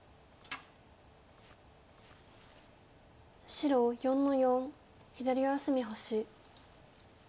白４の四左上隅星。